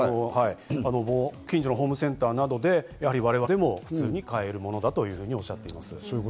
近所のホームセンターなどで、我々でも普通に買えるものだとおっしゃっています。